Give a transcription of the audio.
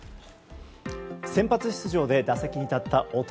先発出場で打席に立った大谷。